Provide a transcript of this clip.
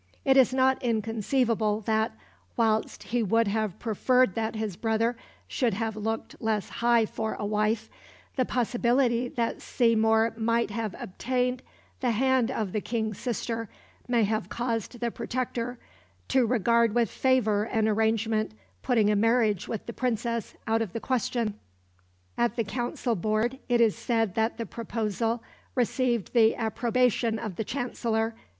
It is not inconceivable that, whilst he would have preferred that his brother should have looked less high for a wife, the possibility that Seymour might have obtained the hand of the King's sister may have caused the Protector to regard with favour an arrangement putting a marriage with the Princess out of the question. At the Council Board it is said that the proposal received the approbation of the Chancellor.